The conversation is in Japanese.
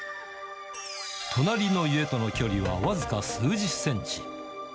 隣の家との距離は僅か数十センチ。